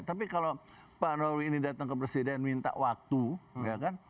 tapi kalau pak nawi ini datang ke presiden minta waktu ya kan